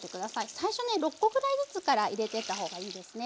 最初ね６コぐらいずつから入れてったほうがいいですね。